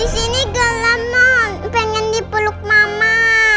salam ma pengen dipeluk mama